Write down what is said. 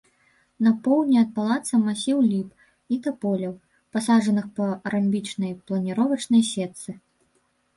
На поўдні ад палаца масіў ліп і таполяў, пасаджаных па рамбічнай планіровачнай сетцы.